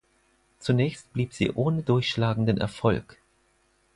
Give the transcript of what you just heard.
Zunächst blieb sie ohne durchschlagenden Erfolg.